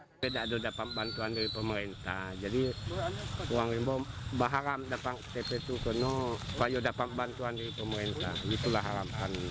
karena ada yang menurut orang itu ada kartu indonesia sehat